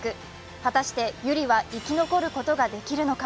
果たして百合は生き残ることができるのか？